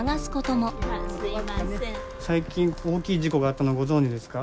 最近大きい事故があったのご存じですか？